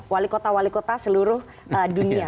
wali kota wali kota seluruh dunia